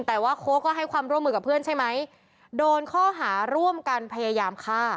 แต่ว่าโค้กก็ให้ความร่วมมือกับเพื่อนใช่ไหมโดนข้อหาร่วมกันพยายามฆ่า